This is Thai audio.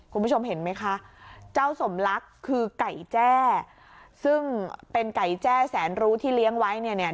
คุณผู้ชมเห็นไหมคะเจ้าสมลักษณ์คือไก่แจ้ซึ่งเป็นไก่แจ้แสนรู้ที่เลี้ยงไว้เนี่ยเนี่ย